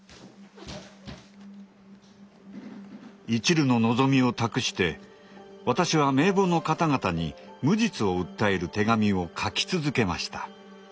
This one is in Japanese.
いちるの望みを託して私は名簿の方々に無実を訴える手紙を書き続けました。